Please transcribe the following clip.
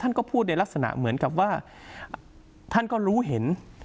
ก็พูดในลักษณะเหมือนกับว่าท่านก็รู้เห็น